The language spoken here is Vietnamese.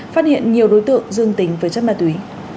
phát hiện nhiều đối tượng dương tính với chất ma túy